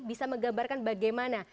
bisa menggambarkan bagaimana